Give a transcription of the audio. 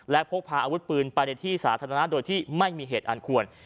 และพกพาอาวุธปืนไปในที่สาธารณะโดยที่ไม่มีเหตุอันควร